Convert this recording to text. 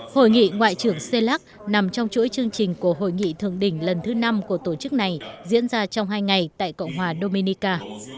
hội nghị ngoại trưởng xê lắc nằm trong chuỗi chương trình của hội nghị thượng đỉnh lần thứ năm của tổ chức này diễn ra trong hai ngày tại cộng hòa dominica